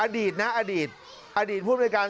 อดีตนะอดีตอดีตภูมิในการ